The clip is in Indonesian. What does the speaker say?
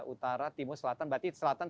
utara timur selatan berarti selatan